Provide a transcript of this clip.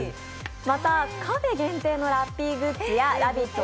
またカフェ限定のラッピーグッズや「ラヴィット！」